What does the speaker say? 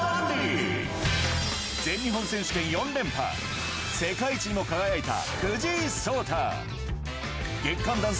全日本選手権４連覇、世界一にも輝いた藤井創太。